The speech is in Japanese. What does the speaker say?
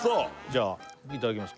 じゃあいただきます